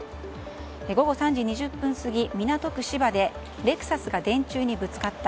午後３時２０分過ぎ、港区芝でレクサスが電柱にぶつかった。